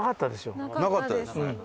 なかったですよね。